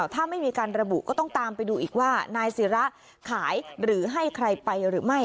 ถ้าไม่มีการระบุก็ต้องตามไปดูอีกว่านายศิระขายหรือให้ใครไปหรือไม่